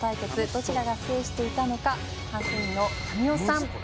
どちらが制していたのか判定員の神尾さんお願い致します。